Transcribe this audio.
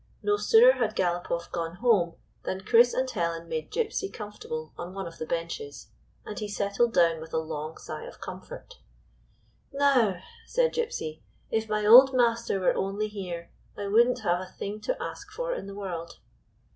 No sooner had Galopoff gone home than Chris and Helen made Gypsy comfortable on one of the benches, and he settled down with a long sigh of comfort. " Now," said Gypsy, " if my old master were only here, I would n't have a thing to ask for in the world."